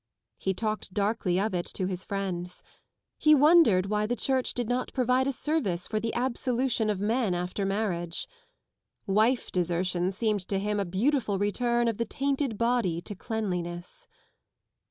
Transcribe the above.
He talked darkly of it to his friends. He wondered why the Church did not provide a service for the absolution of men after marriage. Wife desertion seemed to him a beautiful return of the tainted body to cleanliness.